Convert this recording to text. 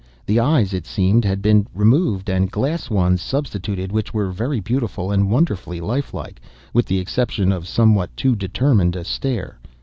The eyes (it seemed) had been removed, and glass ones substituted, which were very beautiful and wonderfully life like, with the exception of somewhat too determined a stare.